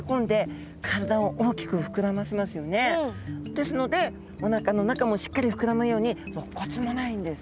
ですのでおなかの中もしっかり膨らむようにろっ骨もないんです。